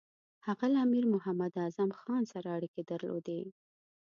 هغه له امیر محمد اعظم خان سره اړیکې درلودې.